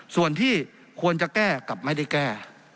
ส่วนที่ควรจะแก้กับไม่ได้แก้